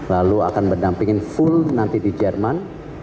lalu akan mendampingin full nanti di jerman